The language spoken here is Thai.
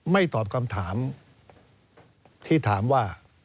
ตอบคำถามที่ถามว่า